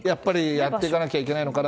やっていかなければいけないのかな。